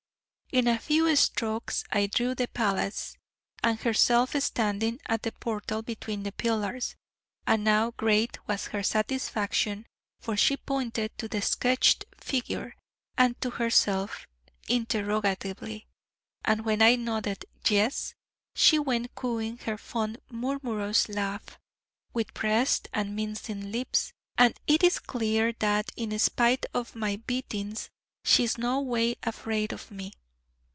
In a few strokes I drew the palace, and herself standing at the portal between the pillars: and now great was her satisfaction, for she pointed to the sketched figure, and to herself, interrogatively: and when I nodded 'yes,' she went cooing her fond murmurous laugh, with pressed and mincing lips: and it is clear that, in spite of my beatings, she is in no way afraid of me.